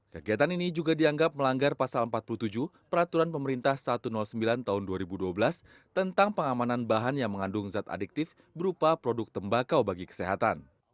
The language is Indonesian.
kegiatan ini juga dianggap melanggar pasal empat puluh tujuh peraturan pemerintah satu ratus sembilan tahun dua ribu dua belas tentang pengamanan bahan yang mengandung zat adiktif berupa produk tembakau bagi kesehatan